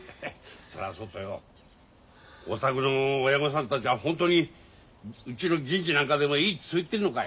そらそうとよお宅の親御さんたちはホントにうちの銀次なんかでもいいってそう言ってるのかい？